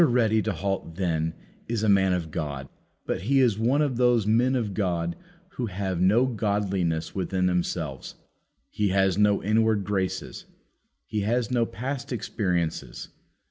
Ready to halt, then, is a man of God; but he is one of those men of God who have no godliness within themselves. He has no inward graces. He has no past experiences.